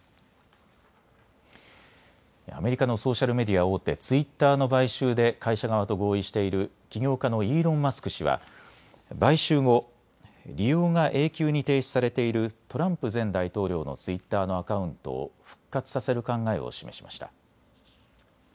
アメリカのソーシャルメディア大手、ツイッターの買収で会社側と合意している起業家のイーロン・マスク氏は買収後、利用が永久に停止されているトランプ前大統領のツイッターのアカウントを復活させる考えを示しました。